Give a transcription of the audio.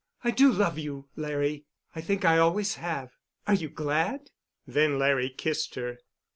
"I do love you, Larry. I think I always have. Are you glad?" Then Larry kissed her.